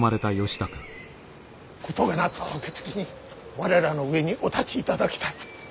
事がなった暁に我らの上にお立ちいただきたい。